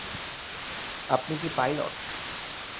আপনি কি পাইলট?